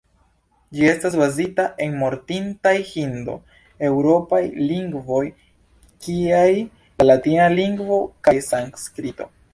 Ĝi estas bazita en mortintaj hindo-eŭropaj lingvoj kiaj la latina lingvo kaj sanskrito.